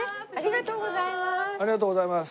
ありがとうございます。